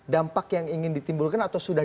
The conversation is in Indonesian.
dampak yang ingin ditimbulkan atau sudah